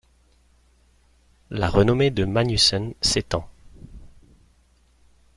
La renommée de Magnussen s'étend.